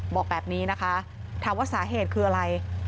บอกแบบนี้นะคะถามว่าสาเหตุคืออะไร